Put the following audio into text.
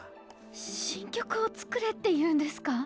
新曲を作れっていうんですか？